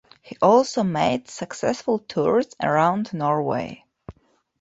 He also made successful tours around Norway.